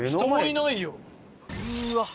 うわっ！